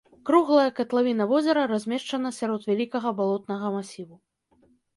Круглая катлавіна возера размешчана сярод вялікага балотнага масіву.